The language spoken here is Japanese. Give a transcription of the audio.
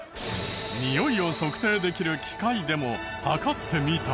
においを測定できる機械でも測ってみた。